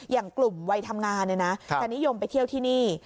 อย่างกลุ่มวัยทำงานจะนิยมไปเที่ยวที่นี่